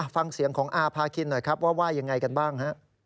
ฟังเสียงของอาพาคินหน่อยครับว่ายังไงกันบ้างฮะ